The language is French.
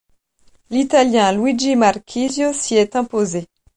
L'Italien Luigi Marchisio s'y est imposé.